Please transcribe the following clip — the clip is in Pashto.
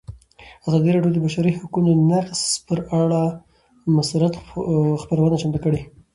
ازادي راډیو د د بشري حقونو نقض پر اړه مستند خپرونه چمتو کړې.